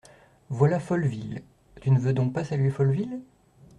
Voilà Folleville… tu ne veux donc pas saluer Folleville ?